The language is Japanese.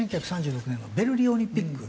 １９３６年のベルリンオリンピック。